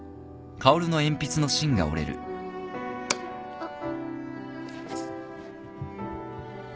あっ。